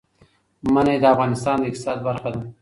منی د افغانستان د اقتصاد برخه ده.